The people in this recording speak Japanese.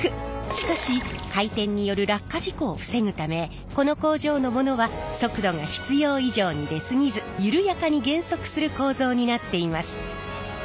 しかし回転による落下事故を防ぐためこの工場のものは速度が必要以上に出過ぎず緩やかに減速する構造になっています。